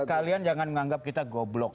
kalian jangan menganggap kita goblok